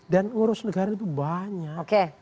dan urus negara itu banyak